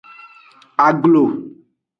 Aglo.